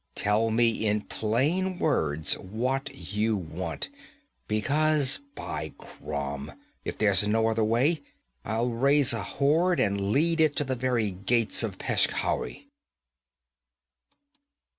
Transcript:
Tell me in plain words what you want, because, by Crom! if there's no other way, I'll raise a horde and lead it to the very gates of Peshkhauri!'